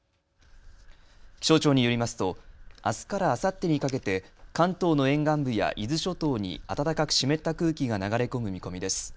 気象庁によりますとあすからあさってにかけて関東の沿岸部や伊豆諸島に暖かく湿った空気が流れ込む見込みです。